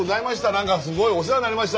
何かすごいお世話になりました。